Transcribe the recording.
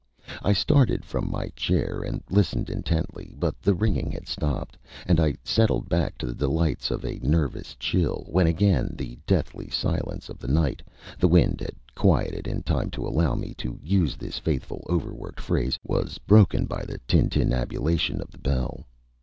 I started from my chair and listened intently, but the ringing had stopped, and I settled back to the delights of a nervous chill, when again the deathly silence of the night the wind had quieted in time to allow me the use of this faithful, overworked phrase was broken by the tintinnabulation of the bell.